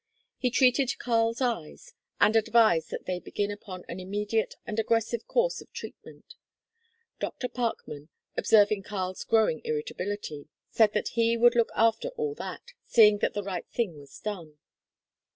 He treated Karl's eyes, and advised that they begin upon an immediate and aggressive course of treatment. Dr. Parkman, observing Karl's growing irritability, said that he would look after all that, see that the right thing was done.